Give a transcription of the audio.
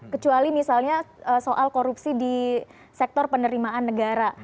kecuali misalnya soal korupsi di sektor penerimaan negara